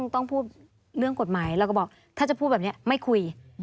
ต้องพูดเรื่องกฎหมายแล้วก็บอกถ้าจะพูดแบบนี้ไม่คุย